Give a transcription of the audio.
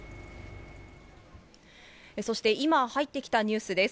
そして今、入ってきたニュースです。